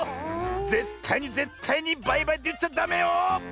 ぜったいにぜったいにバイバイっていっちゃダメよ。